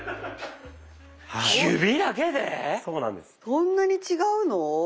そんなに違うの？